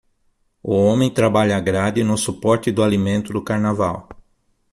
O homem trabalha a grade no suporte do alimento do carnaval.